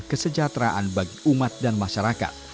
kesejahteraan bagi umat dan masyarakat